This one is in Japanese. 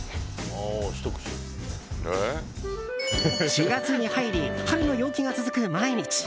４月に入り春の陽気が続く毎日。